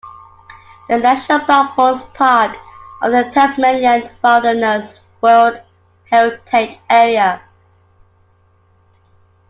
The national park forms part of the Tasmanian Wilderness World Heritage Area.